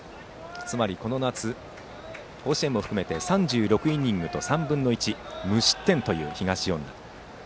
つまりこの夏、甲子園も含めて３６イニングと３分の１無失点という東恩納。